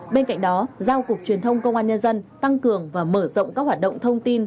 bên cạnh đó giao cục truyền thông công an nhân dân tăng cường và mở rộng các hoạt động thông tin